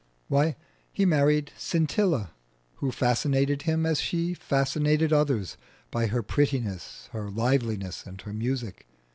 Why, he married Scintilla, who fascinated him as she had fascinated others, by her prettiness, her liveliness, and her music.